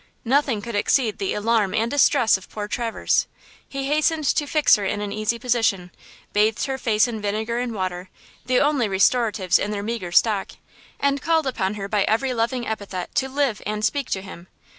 Nothing could exceed the alarm and distress of poor Traverse. He hastened to fix her in an easy position, bathed her face in vinegar and water, the only restoratives in their meager stock, and called upon her by every loving epithet to live and speak to him.